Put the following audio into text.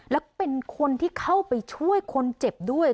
และเป็นคนที่เข้าไปช่วยคนเจ็บด้วย